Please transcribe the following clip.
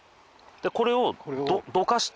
これをどかして。